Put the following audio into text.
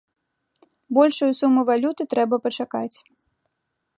Большую суму валюты трэба пачакаць.